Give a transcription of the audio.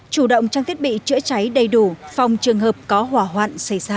chủ động trang thiết bị chữa cháy đầy đủ phòng trường hợp có hỏa hoạn xảy ra